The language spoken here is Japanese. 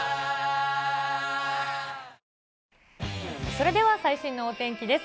それでは最新のお天気です。